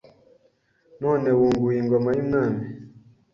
None wunguye ingoma y'umwami